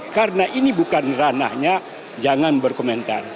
karena ini bukan ranahnya jangan berkomentar